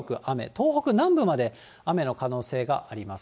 東北南部まで雨の可能性があります。